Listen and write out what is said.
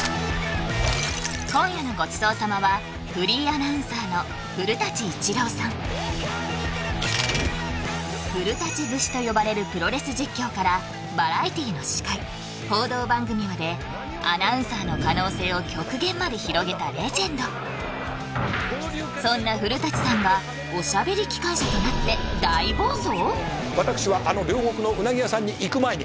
今夜のごちそう様は古節と呼ばれるプロレス実況からバラエティの司会報道番組までアナウンサーの可能性を極限まで広げたレジェンドそんな古さんがおしゃべり機関車となって大暴走！？